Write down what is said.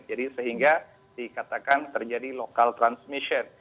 jadi sehingga dikatakan terjadi lokal transmission